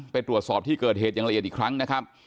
ไปตรวจสอบที่เกิดเหตุอย่างละเอียดอีกครั้งนะครับ